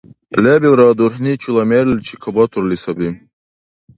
Лебилра дурхӀни чула мерличи кабатурли саби.